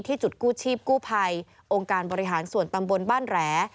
จุดกู้ชีพกู้ภัยองค์การบริหารส่วนตำบลบ้านแหล